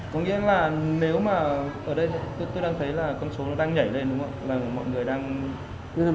có nghĩa là nếu mà ở đây tôi đang thấy là con số nó đang nhảy lên đúng không ạ